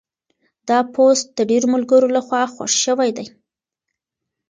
دا پوسټ د ډېرو ملګرو لخوا خوښ شوی دی.